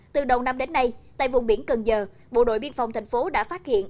từ đầu năm đến nay tại vùng biển cần giờ bộ đội biên phòng tp hcm đã phát hiện